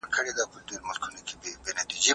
ماشوم کولای سي ازاد فکر وکړي.